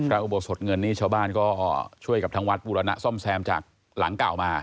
อุโบสถเงินนี้ชาวบ้านก็ช่วยกับทางวัดบูรณะซ่อมแซมจากหลังเก่ามา